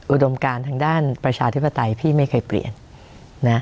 อุดมการทางด้านประชาธิปไตยพี่ไม่เคยเปลี่ยนนะ